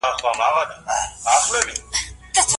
ونه په ريښو ولاړه وي.